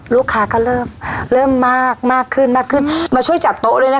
ลูกค้าก็เริ่มเริ่มมากมากขึ้นมากขึ้นมาช่วยจัดโต๊ะด้วยนะคะ